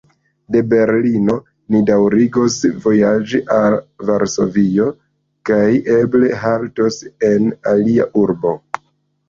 De Berlino ni daŭrigos vojaĝi al Varsovio kaj eble haltos en alia urbo.